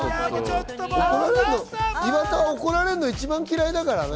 岩田は怒られるのが一番嫌いだからね。